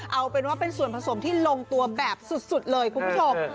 เอาเป็นว่าเป็นส่วนผสมที่ลงตัวแบบสุดเลยคุณผู้ชม